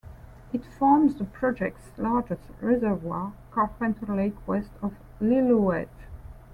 It forms the project's largest reservoir, Carpenter Lake west of Lillooet.